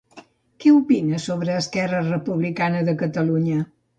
Què opina sobre Esquerra Republicana de Catalunya?